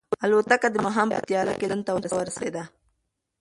الوتکه د ماښام په تیاره کې لندن ته ورسېده.